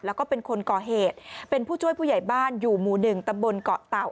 แล้วก็เป็นคนก่อเหตุเป็นผู้ช่วยผู้ใหญ่บ้านอยู่หมู่หนึ่งตำบลเกาะเต่า